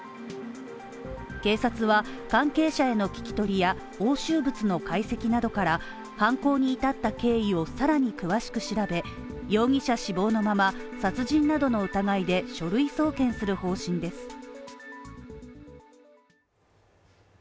警察は関係者への聞き取りや、押収物の解析などから犯行に至った経緯をさらに詳しく調べ、容疑者死亡のまま殺人などの疑いで書類送検する方針です。